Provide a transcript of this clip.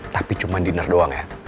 tapi cuma dinner doang ya